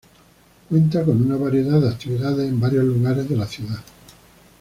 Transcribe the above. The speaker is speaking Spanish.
Cuenta con una variedad de actividades en varios lugares de la ciudad.